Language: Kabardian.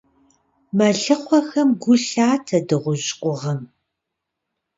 Мэлыхъуэхэм гу лъатэ дыгъужь къугъым.